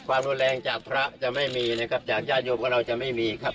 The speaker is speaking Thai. ความรุนแรงจากพระจะไม่มีนะครับจากญาติโยมของเราจะไม่มีครับ